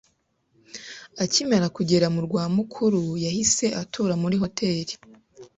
Akimara kugera mu murwa mukuru, yahise atura muri hoteri.